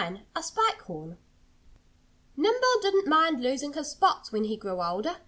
IX A SPIKE HORN Nimble didn't mind losing his spots, when he grew older.